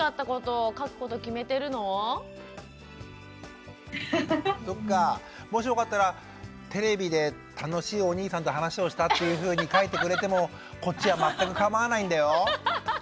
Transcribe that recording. さなちゃんそっかもしよかったらテレビで楽しいお兄さんと話をしたっていうふうに書いてくれてもこっちは全く構わないんだよ。